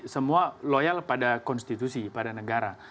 semua loyal pada konstitusi pada negara